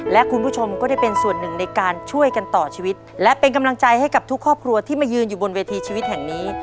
และคุณผู้ชมก็ได้เป็นส่วนหนึ่งในการช่วยกันต่อชีวิตและเป็นกำลังใจให้กับทุกครอบครัวที่มายืนอยู่บนเวทีชีวิตแห่งนี้